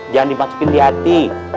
jangan dimasukin di hati